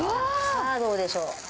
さあ、どうでしょう。